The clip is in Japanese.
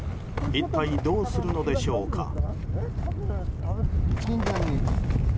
一体どうするのでしょうか？